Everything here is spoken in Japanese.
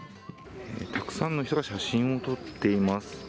たくさんの人が写真を撮っています。